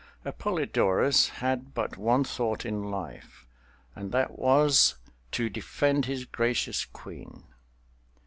Appolidorus had but one thought in life, and that was to defend his gracious queen.